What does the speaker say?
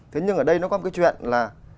thế nhưng ở đây nó có một cái chuyện là